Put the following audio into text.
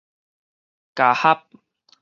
咬合